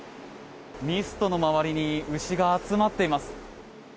ミストの周りに牛が集まっています。